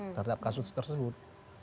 terhadap kasus tersebut